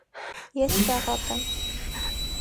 Ես ճաղատ եմ։